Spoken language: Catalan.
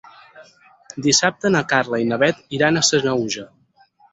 Dissabte na Carla i na Bet iran a Sanaüja.